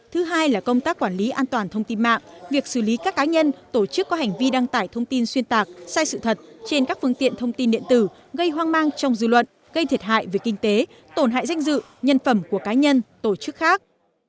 thứ hai là công tác quản lý an toàn thông tin mạng việc xử lý các cá nhân tổ chức có hành vi đăng tải thông tin xuyên tạc sai sự thật trên các phương tiện thông tin điện tử gây hoang mang trong dư luận gây thiệt hại về kinh tế tổn hại danh dự nhân phẩm của cá nhân tổ chức khác